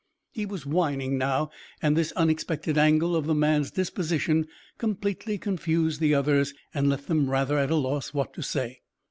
_" He was whining now, and this unexpected angle of the man's disposition completely confused the others and left them rather at a loss what to say.